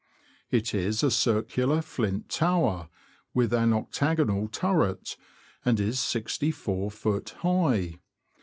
It is a circular, flint tower, with an octagonal turret, and is 64ft. high.